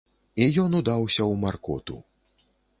І ён удаўся ў маркоту.